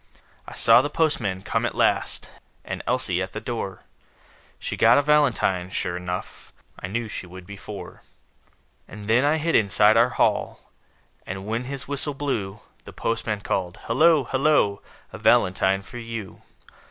I saw the postman come at last, And Elsie at the door; She got a valentine, sure 'nough I knew she would before. And then I hid inside our hall; And, when his whistle blew, The postman called: "Hello! hello! A valentine for you!"